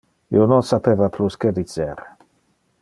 Io non sapeva plus que dicer.